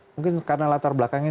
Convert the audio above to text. mungkin karena latar belakangnya